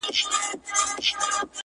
تاته به پټ وژاړم تاته په خندا به سم~